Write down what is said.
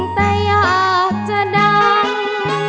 แต่อยากจะดัง